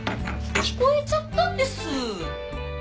聞こえちゃったんです。